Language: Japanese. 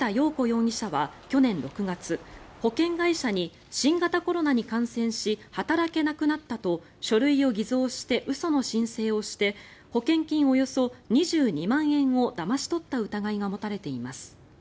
容疑者は去年６月、保険会社に新型コロナに感染し働けなくなったと書類を偽造して嘘の申請をして保険金およそ２２万円をだまし取った疑いが持たれています。